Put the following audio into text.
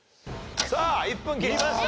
さあ１分切りました。